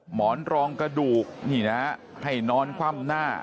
หมอนรองกระดูกนี่นะให้นอนคว่ำหน้า